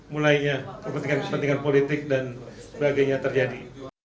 mulainya kepentingan kepentingan politik dan sebagainya terjadi